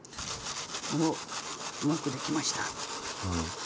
うまくできました。